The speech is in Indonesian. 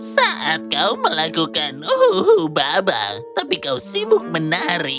saat kau melakukan uhuhu babang tapi kau sibuk menari